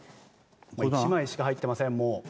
１枚しか入ってませんもう。